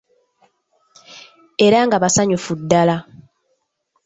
Era nga basanyufu ddala!